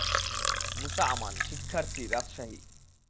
মুসা আমান, শিক্ষার্থী, রাজশাহী।